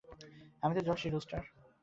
আমি তো জোশই, রুস্টার।